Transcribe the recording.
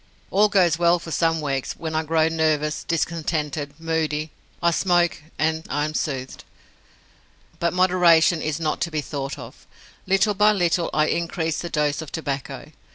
All goes well for some weeks, when I grow nervous, discontented, moody. I smoke, and am soothed. But moderation is not to be thought of; little by little I increase the dose of tobacco.